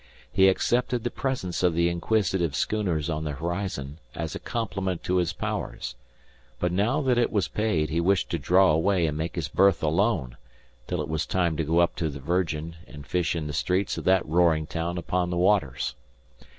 He accepted the presence of the inquisitive schooners on the horizon as a compliment to his powers. But now that it was paid, he wished to draw away and make his berth alone, till it was time to go up to the Virgin and fish in the streets of that roaring town upon the waters.